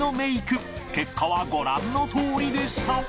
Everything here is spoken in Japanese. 結果はご覧のとおりでした